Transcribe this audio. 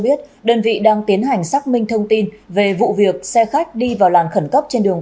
biết đơn vị đang tiến hành xác minh thông tin về vụ việc xe khách đi vào làn khẩn cấp trên đường